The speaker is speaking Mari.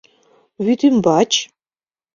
Вӱд ӱмбач